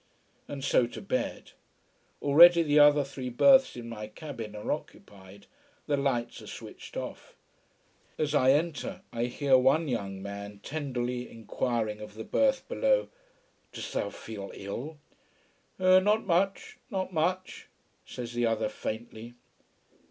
And so to bed. Already the other three berths in my cabin are occupied, the lights are switched off. As I enter I hear one young man tenderly enquiring of the berth below: "Dost thou feel ill?" "Er not much not much!" says the other faintly.